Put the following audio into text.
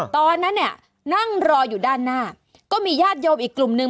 ตอนนั้นเนี่ยนั่งรออยู่ด้านหน้าก็มีญาติโยมอีกกลุ่มนึง